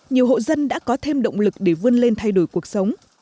nhiều hộ dân đã có thêm động lực để vươn lên thay đổi cuộc sống